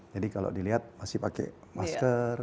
jadi kalau dilihat masih pakai masker